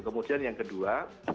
kemudian yang kedua